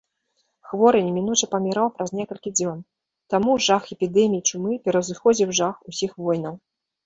Хворы немінуча паміраў праз некалькі дзён, таму жах эпідэмій чумы пераўзыходзіў жах усіх войнаў.